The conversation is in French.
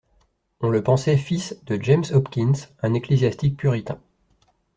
On le pensait fils de James Hopkins, un ecclésiastique puritain.